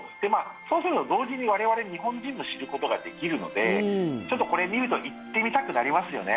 そうすると同時に、我々日本人も知ることができるのでちょっと、これ見ると行ってみたくなりますよね。